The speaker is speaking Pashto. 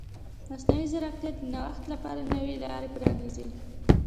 مصنوعي ځیرکتیا د نوښت لپاره نوې لارې پرانیزي.